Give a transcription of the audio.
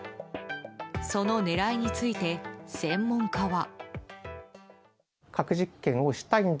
その狙いについて、専門家は。